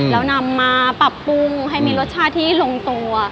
แล้วนำมาปรับปรุงให้มีรสชาติที่ลงตัว